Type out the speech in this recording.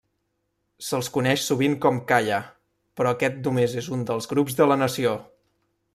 Se'ls coneix sovint com Kayah, però aquest només és un dels grups de la nació.